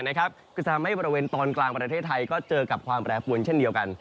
ก็จะทำให้บริเวณตอนกลางประเทศไทยก็เจอกับความแปรปวนเช่นเดียวกัน